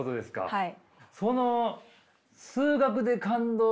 はい。